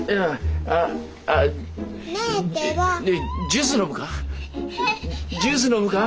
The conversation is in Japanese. ジュース飲むか？